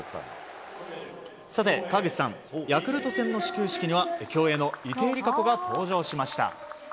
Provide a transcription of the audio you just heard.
川口さんヤクルト戦の始球式には競泳の池江璃花子が登場しました。